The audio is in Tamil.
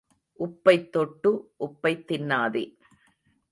உப்பைத் தொட்டு உப்பைத் தின்னாதே.